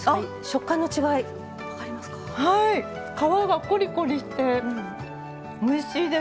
皮がコリコリしておいしいです。